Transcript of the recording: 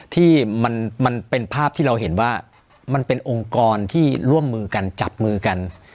ที่มันเป็นภาพที่เราเห็นว่ามันเป็นองค์กรที่ร่วมมือกันจับมือกัน